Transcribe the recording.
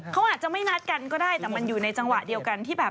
เขาอาจจะไม่นัดกันก็ได้แต่มันอยู่ในจังหวะเดียวกันที่แบบ